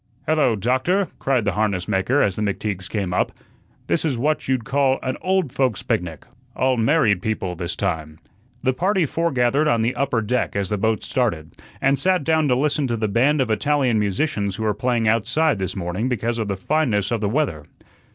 "Hello, Doctor," cried the harness maker as the McTeagues came up. "This is what you'd call an old folks' picnic, all married people this time." The party foregathered on the upper deck as the boat started, and sat down to listen to the band of Italian musicians who were playing outside this morning because of the fineness of the weather.